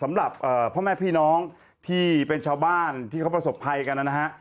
สำหรับพ่อแม่พี่น้องที่เป็นชาวบ้านที่เขาประสบภัยกันนะฮะ